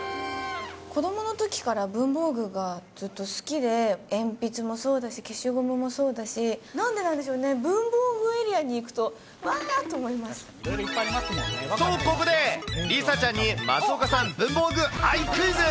子どものときから、文房具がずっと好きで、鉛筆もそうだし、消しゴムもそうだし、なんでなんでしょうね、文房具エリアに行くとここで、梨紗ちゃんに、松岡さん文房具愛クイズ！